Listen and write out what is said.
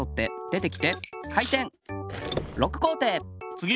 つぎ！